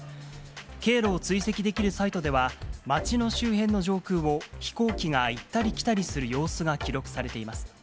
経路を追跡できるサイトでは、町の周辺の上空を、飛行機が行ったり来たりする様子が記録されています。